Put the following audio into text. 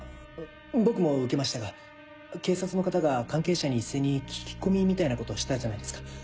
僕も受けましたが警察の方が関係者に一斉に聞き込みみたいなことしたじゃないですか。